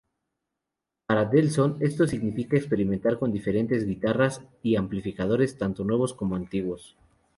Para Delson, esto significa experimentar con diferentes guitarras y amplificadores, tanto nuevos como antiguos.